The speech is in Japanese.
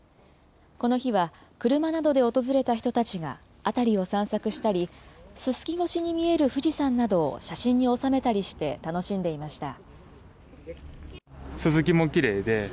この日は、車などで訪れた人たちが辺りを散策したり、ススキ越しに見える富士山などを写真に収めたりして楽しんでいました。